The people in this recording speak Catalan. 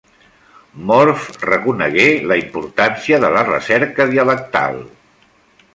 Morf reconegué la importància de la recerca dialectal.